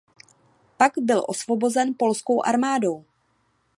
Pak byl osvobozen polskou armádou.